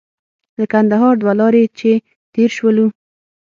له کندهار دوه لارې چې تېر شولو.